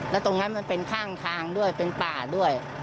แล้วตรงนั้นมันเป็นข้างทางด้วยเป็นป่าด้วย